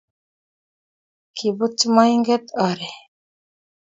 Kiibutch moinget oret